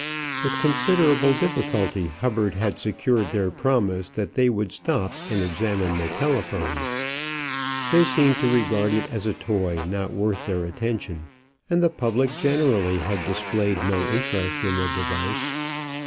With considerable difficulty Hubbard had secured their promise that they would stop and examine the telephone. They seemed to regard it as a toy not worth their attention, and the public generally had displayed no interest in the device.